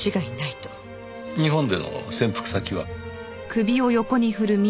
日本での潜伏先は？